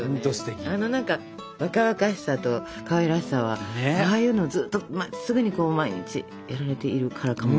あの何か若々しさとかわいらしさはああいうのをずっとまっすぐに毎日やられているからかも。